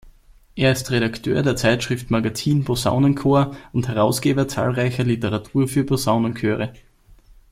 Er ist Redakteur der Zeitschrift "Magazin Posaunenchor" und Herausgeber zahlreicher Literatur für Posaunenchöre.